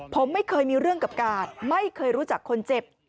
ผมไม่เคยมีเรื่องกับกาดไม่เคยรู้จักคนเจ็บ